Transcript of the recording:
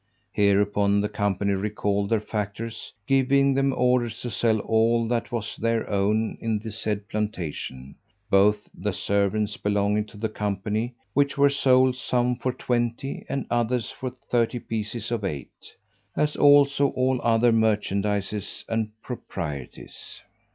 Hereupon, the company recalled their factors, giving them orders to sell all that was their own in the said plantation, both the servants belonging to the company (which were sold, some for twenty, and others for thirty pieces of eight), as also all other merchandizes and proprieties.